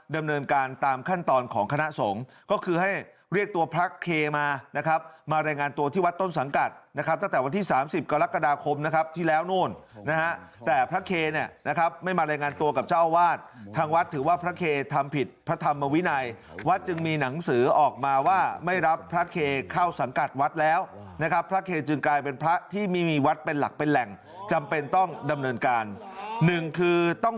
ดำเนินการตามขั้นตอนของคณะสงฆ์ก็คือให้เรียกตัวพระเคร้มานะครับมารายงานตัวที่วัดต้นสังกัดนะครับตั้งแต่วันที่๓๐กรกฎาคมนะครับที่แล้วโน่นนะฮะแต่พระเคร้เนี่ยนะครับไม่มารายงานตัวกับเจ้าวาสทางวัดถือว่าพระเคร้ทำผิดพระธรรมวินัยวัดจึงมีหนังสือออกมาว่าไม่รับพระเคร้เข้าสังกัดวัดแล้